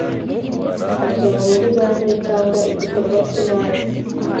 atora muri banki cyangwa ikigo cy’ imari.